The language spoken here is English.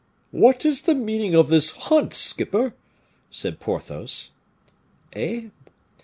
"What is the meaning of this hunt, skipper?" said Porthos. "Eh!